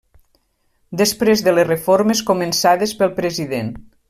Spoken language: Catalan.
Després de les reformes començades pel president.